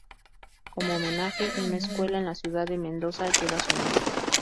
Como homenaje, una escuela en la ciudad de Mendoza lleva su nombre.